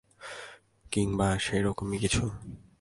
কিংবা সেরকমই কিছু?